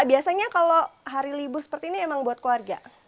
biasanya kalau hari libur seperti ini emang buat keluarga